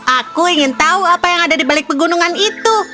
aku ingin tahu apa yang ada di balik pegunungmu